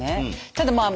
ただまあ